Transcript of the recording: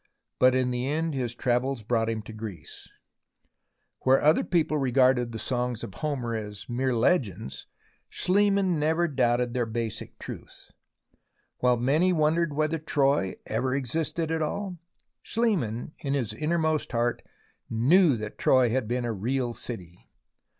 But in the end his travels brought him to Greece, Where other people regarded the songs of Homer as mere legends, Schliemann never doubted their THE ROMANCE OF EXCAVATION 169 basic truth. While many wondered whether Troy ever existed at all, Schliemann in his innermost heart knew that Troy had been a real city.